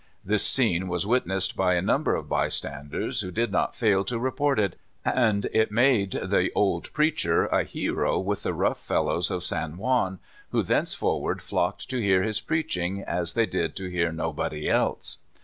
This scene was witnessed by a number of bystanders, who did not fail to report it, and it made the old preacher a hero with the rough fellows of San Juan, who thenceforward flocked to hear his preaching as they did to hear nobody else.